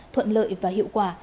thuận lợi và hiệu quả